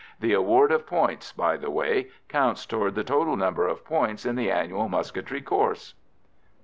The award of points, by the way, counts toward the total number of points in the annual musketry course.